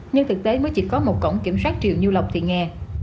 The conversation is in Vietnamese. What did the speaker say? nhưng thực tế mới chỉ có một cổng kiểm soát triều như lọc thì nghe